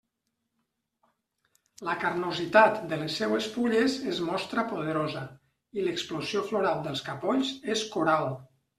La carnositat de les seues fulles es mostra poderosa, i l'explosió floral dels capolls és coral.